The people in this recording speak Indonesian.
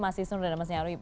mas isun dan mas nyawri